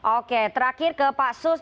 oke terakhir ke pak sus